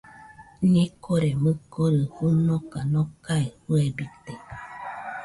Ñekore mɨkori fɨnoka nokae fɨebite